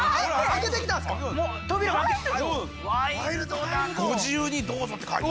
ご自由にどうぞって書いて。